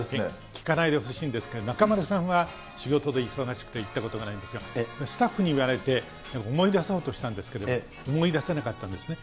聞かないでほしいんですけど、中丸さんは仕事で忙しくて行ったことないんですが、スタッフに言われて、ちょっと思い出そうとしたんですけど、思い出せなかったんですね。